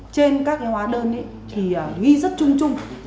trên các cái hóa đơn thì ghi rất chung chung